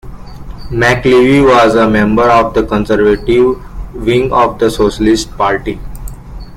McLevy was a member of the conservative wing of the Socialist Party.